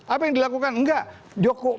apa yang dilakukan enggak